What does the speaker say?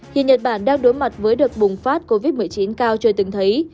hiện nhật bản đang đối mặt với đợt bùng phát covid một mươi chín cao chưa từng thấy